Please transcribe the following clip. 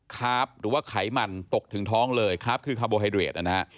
คาร์ฟหรือว่าไขมันตกถึงท้องเลยครับคือคาร์โบไฮเรดนะฮะ